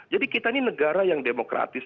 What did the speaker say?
jadi kita ini negara yang demokratis